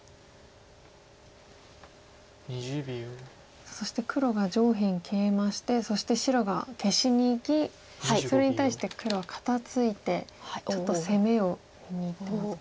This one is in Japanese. さあそして黒が上辺ケイマしてそして白が消しにいきそれに対して黒は肩ツイてちょっと攻めを見てますか？